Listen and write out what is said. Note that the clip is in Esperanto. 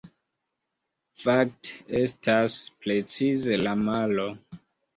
Fakte, estas precize la malo!